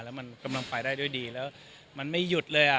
แล้วมันกำลังไปได้ด้วยดีแล้วมันไม่หยุดเลยอ่ะ